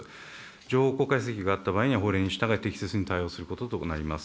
情報公開請求があった場合には法令に従い、適切に対応することとなります。